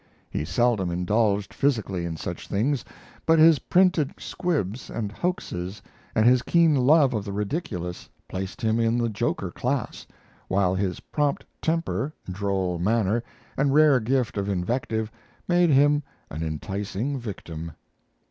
He seldom indulged physically in such things; but his printed squibs and hoaxes and his keen love of the ridiculous placed him in the joker class, while his prompt temper, droll manner, and rare gift of invective made him an enticing victim.